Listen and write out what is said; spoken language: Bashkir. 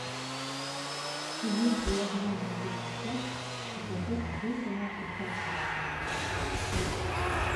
Тейен ояһынан төшөп киткәс, Тупылдыҡ ҙур ғына уҫаҡ ағасына тап була.